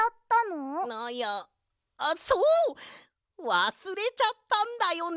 わすれちゃったんだよね。